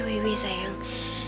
maaf tante saya udah ganggu